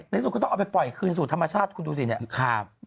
ที่สุดก็ต้องเอาไปปล่อยคืนสู่ธรรมชาติคุณดูสิเนี่ย